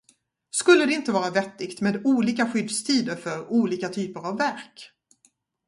Skulle det inte vara vettigt med olika skyddstider för olika typer av verk?